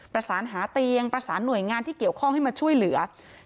ประสานหาเตียงประสานหน่วยงานที่เกี่ยวข้องให้มาช่วยเหลือ